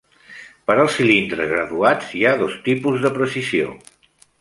Per als cilindres graduats hi ha dos tipus de precisió.